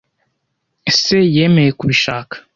Se yemeye kubishaka.